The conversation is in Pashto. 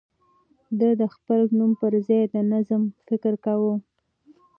ده د خپل نوم پر ځای د نظام فکر کاوه.